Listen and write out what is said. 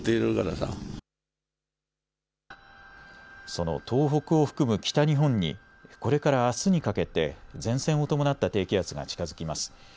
その東北を含む北日本にこれからあすにかけて前線を伴った低気圧が近づきます。